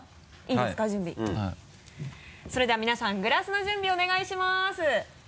それでは皆さんグラスの準備お願いします。